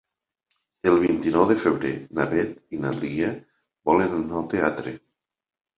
El vint-i-nou de febrer na Beth i na Lia volen anar al teatre.